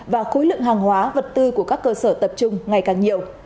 và khối lượng hàng hóa vật tư của các cơ sở tập trung ngày càng nhiều